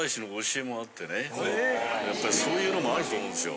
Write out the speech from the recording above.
やっぱりそういうのもあると思うんですよ。